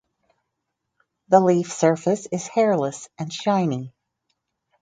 The leaf surface is hairless and shiny.